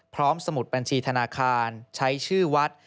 สมุดบัญชีธนาคารใช้ชื่อวัด